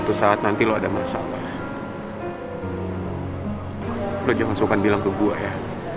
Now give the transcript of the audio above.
suatu saat nanti lo ada masalah lo jangan sulkan bilang ke gue ya